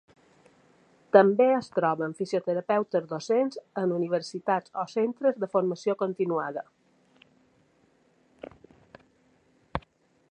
També es troben fisioterapeutes docents en universitats o centres de formació continuada.